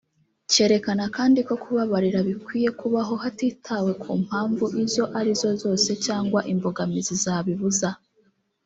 Cyerekana kandi ko kubabarira bikwiye kubaho hatitawe ku mpamvu izo ari zo zose cyangwa imbogamizi zabibuza